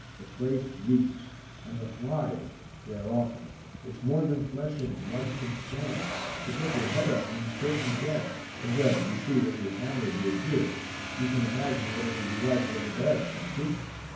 The place reeks. And the flies! They're awful. It's more than flesh and blood can stand! To put your head up means certain death and well, you see what your camera did here. You can imagine what it would be like over there, can't you?"